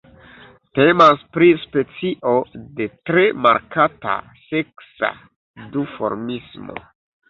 Temas pri specio de tre markata seksa duformismo.